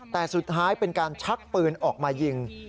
แต่สุดท้ายเป็นการชักปืนออกมายิง